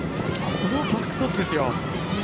このバックトスですよ。